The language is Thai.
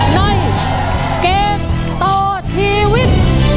ในเกมต่อชีวิต